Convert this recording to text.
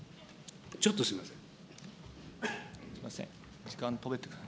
ちょっとすみません。